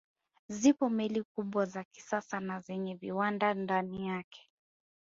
Zipo meli kubwa za kisasa na zenye viwanda ndani yake